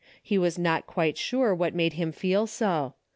He Avas not quite sure Avhat made him feel so.